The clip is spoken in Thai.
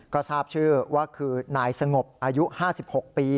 ก็ทราบชื่อว่าคือนายสงบอายุ๕๖ปี